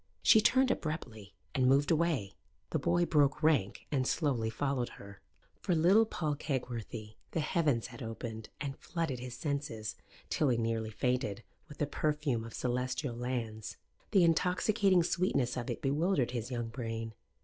She turned abruptly and moved away. The boy broke rank and slowly followed her. For little Paul Kegworthy the heavens had opened and flooded his senses, till he nearly fainted, with the perfume of celestial lands. The intoxicating sweetness of it bewildered his young brain.